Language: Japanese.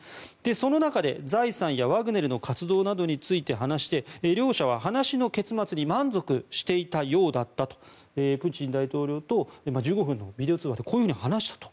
その中で財産やワグネルの活動などについて話して両者は話の結末に満足していたようだったとプーチン大統領と１５分のビデオ通話でこういうふうに話したと。